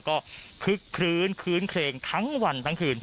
แล้วก็ขึ้นคแล้วไปคลึนเครงทั้งวันทั้งคืน